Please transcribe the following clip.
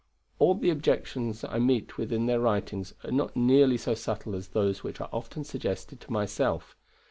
All the objections I meet with in their writings are not nearly so subtle as those which are often suggested to myself.